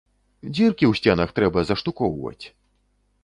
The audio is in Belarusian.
Дзіркі ў сценах трэба заштукоўваць!